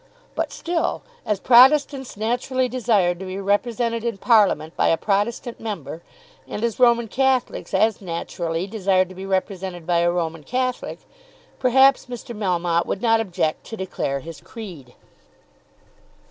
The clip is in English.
But still, as Protestants naturally desired to be represented in Parliament by a Protestant member, and as Roman Catholics as naturally desired to be represented by a Roman Catholic, perhaps Mr. Melmotte would not object to declare his creed.